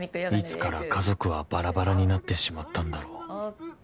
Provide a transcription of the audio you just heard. ［いつから家族はばらばらになってしまったんだろう］ＯＫ。